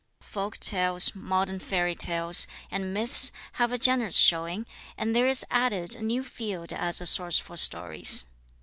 Folk tales, modern fairy tales, and myths have a generous showing; and there is added a new field as a source for stories.